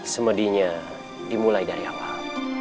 semedinya dimulai dari awal